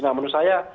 nah menurut saya